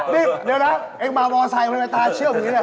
เดี๋ยวนะมามอไซค์ทำไมตาเชื่อมอย่างนี้